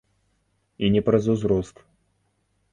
І не праз узрост.